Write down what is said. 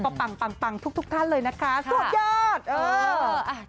ก็ปังทุกท่านเลยนะคะสวัสดียอด